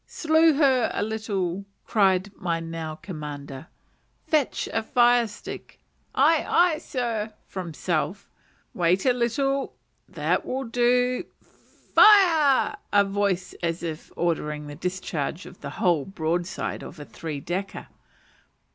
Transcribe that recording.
"Slew her a little," cried my now commander; "fetch a fire stick." "Aye, aye, sir" (from self). "Wait a little; that will do Fire!" (in a voice as if ordering the discharge of the whole broadside of a three decker).